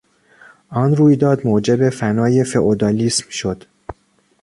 آن رویداد موجب فنای فئودالیسم شد.